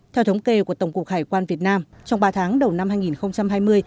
theo thống kê của tổng cục hải quan việt nam trong ba tháng đầu năm hai nghìn hai mươi